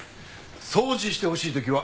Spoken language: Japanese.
掃除してほしい時は。